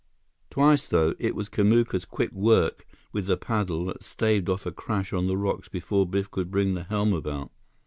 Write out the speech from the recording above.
Twice, though, it was Kamuka's quick work with the paddle that staved off a crash on the rocks before Biff could bring the helm about.